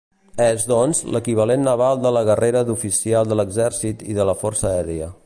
És, doncs, l'equivalent naval de la guerrera d'oficial de l'exèrcit i de la força aèria.